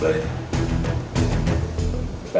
dari intelijen saya